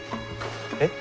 えっ？